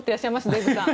デーブさん。